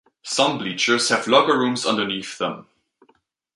Some bleachers have locker rooms underneath them.